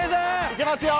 いけますよ！